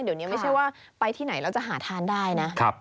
เดี๋ยวนี้ไม่ใช่ว่าไปที่ไหนแล้วจะหาทานได้นะ